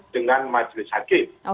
dengan majlis hakim